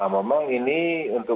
memang ini untuk